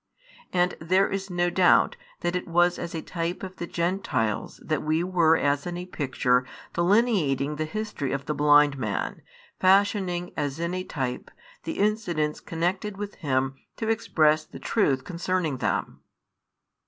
And there is no doubt that it was as a type of the Gentiles that we were as in a picture delineating the history of the blind man, fashioning, as in a type, the incidents connected with him to express the truth concerning them.